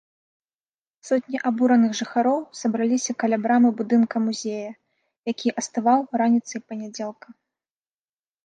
Сотні абураных жыхароў сабраліся каля брамы будынка музея, які астываў, раніцай панядзелка.